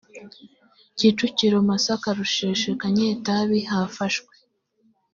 kicukiro masaka rusheshe kanyetabi hafashwe